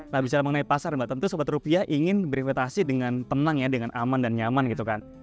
nah bicara mengenai pasar mbak tentu seperti rupiah ingin berinvetasi dengan tenang ya dengan aman dan nyaman gitu kan